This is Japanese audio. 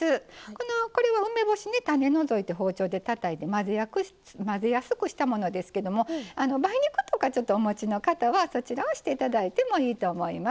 これは梅干しね種を除いて包丁でたたいて混ぜやすくしたものですけども梅肉とかお持ちの方はそちらをして頂いてもいいと思います。